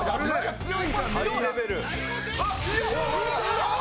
強い！